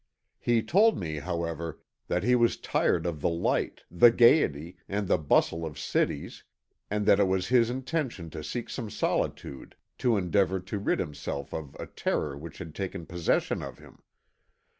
He told me, however, that he was tired of the light, the gaiety, and the bustle of cities, and that it was his intention to seek some solitude to endeavour to rid himself of a terror which had taken possession of him.